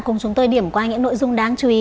cùng chúng tôi điểm qua những nội dung đáng chú ý